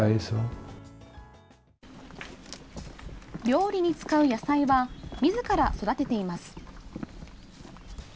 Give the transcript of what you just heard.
料理に使う野菜はみずから育てています。